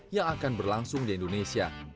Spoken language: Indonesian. yang akan berlangsung di indonesia